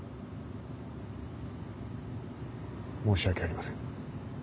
申し訳ありません。